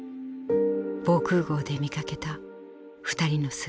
防空壕で見かけた２人の姿。